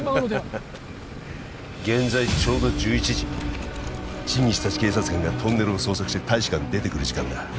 ハハハ現在ちょうど１１時チンギスたち警察官がトンネルを捜索して大使館に出てくる時間だ